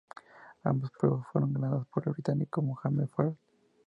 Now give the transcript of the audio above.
Ambas pruebas fueron ganadas por el británico Mohamed Farah.